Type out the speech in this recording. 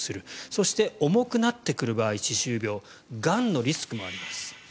そして歯周病が重くなってくる場合がんのリスクもあります。